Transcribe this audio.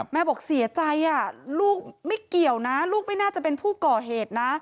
บอกเสียใจลูกไม่เกี่ยวนะลูกไม่น่าจะเป็นผู้ก่อเหตุนะ